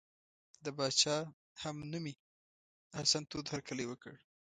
د پاچا همنومي حسن تود هرکلی وکړ.